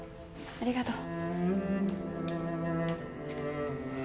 ありがとう。